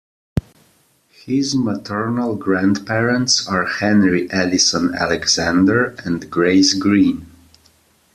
His maternal grandparents are Henry Addison Alexander and Grace Green.